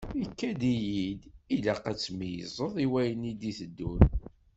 Ikad-iyi-d ilaq ad tmeyyzeḍ i wayen i d-iteddun.